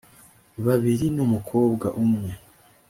babiri n umukobwa umwe